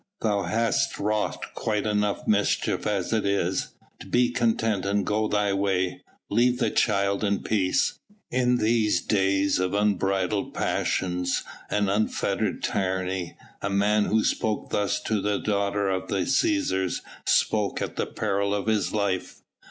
Thou hast wrought quite enough mischief as it is; be content and go thy way. Leave the child in peace." In these days of unbridled passions and unfettered tyranny, a man who spoke thus to a daughter of the Cæsars spoke at peril of his life.